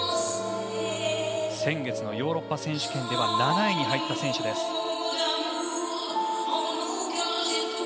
先月のヨーロッパ選手権で７位に入った選手です。